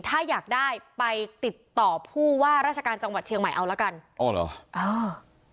ถ้าอยากได้ไปติดต่อผู้ว่าราชการจังหวัดเชียงใหม่เอาละกันอ๋อเหรออ่า